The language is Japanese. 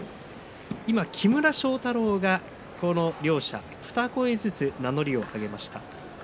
今、木村庄太郎がこの両者二声ずつ名乗りを上げました。